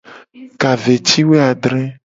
Ka ve ci wo adre.